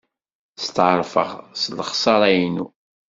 Steɛṛfeɣ s lexṣara-inu.